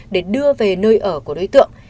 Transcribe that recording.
để đưa về nơi ở của đối tượng